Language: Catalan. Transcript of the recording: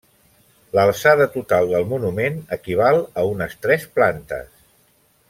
L'alçada total del monument equival a unes tres plantes.